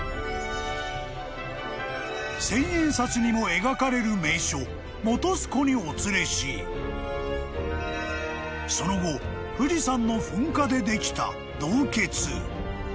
［千円札にも描かれる名所本栖湖にお連れしその後富士山の噴火でできた洞穴］